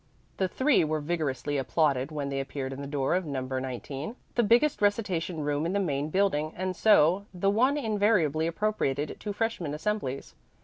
The three were vigorously applauded when they appeared in the door of No. 19, the biggest recitation room in the main building and so the one invariably appropriated to freshman assemblies.